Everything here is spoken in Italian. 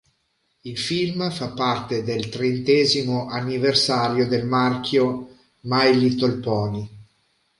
Il film fa parte del trentesimo anniversario del marchio "My Little Pony".